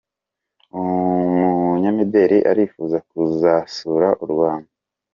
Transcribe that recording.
umunyamideri arifuza kuzasura u Rwanda